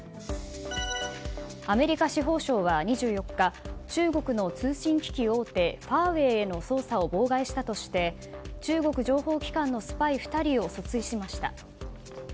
アメリカ司法省は２４日中国の通信機器大手ファーウェイへの捜査を妨害したとして中国情報機関のスパイ２人を訴追しました。